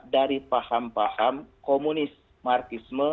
dari paham paham komunisme marxisme